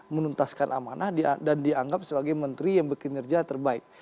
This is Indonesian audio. menuntaskan amanah dan dianggap sebagai menteri yang berkinerja terbaik